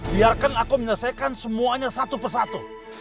biarkan aku menyelesaikan semuanya satu persatu